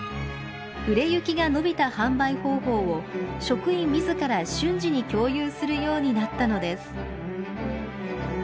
売れ行きが伸びた販売方法を職員みずから、瞬時に共有するようになったのです。